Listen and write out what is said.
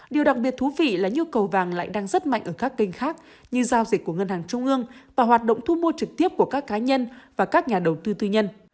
điều đặc biệt thú vị là nhu cầu vàng lại đang rất mạnh ở các kênh khác như giao dịch của ngân hàng trung ương và hoạt động thu mua trực tiếp của các cá nhân và các nhà đầu tư tư nhân